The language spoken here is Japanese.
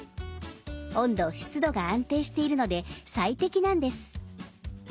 温度湿度が安定しているので最適なんです。